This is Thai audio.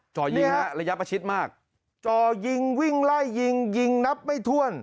จ่อยิงฮะระยะประชิดมากจ่อยิงวิ่งไล่ยิงยิงนับไม่ถ้วน